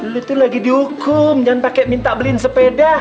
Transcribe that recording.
lo tuh lagi dihukum jangan minta beliin sepeda